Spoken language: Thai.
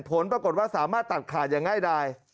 ผลปรากฏว่าสามารถตัดขาดอย่างง่ายดาย